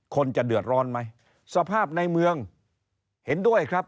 คนจะเดือดร้อนไหมสภาพในเมืองเห็นด้วยครับ